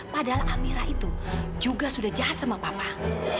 padahal amirah itu juga sudah jahat sama bapak